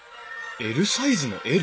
ＬサイズのＬ？